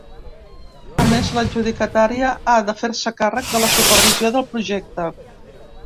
A més, l’adjudicatària ha de fer-se càrrec de la supervisió del projecte.